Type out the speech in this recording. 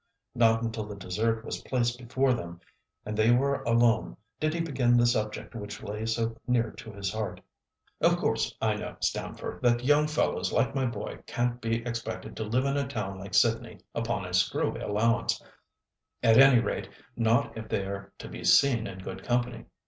Not until the dessert was placed before them and they were alone did he begin the subject which lay so near to his heart. "Of course I know, Stamford, that young fellows like my boy can't be expected to live in a town like Sydney upon a screwy allowance—at any rate not if they are to be seen in good company.